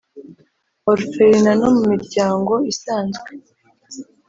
Orphelinat no mu miryango isanzwe